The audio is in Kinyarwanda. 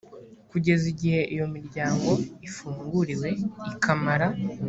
kugeza igihe iyo miryango ifunguriwe ikimara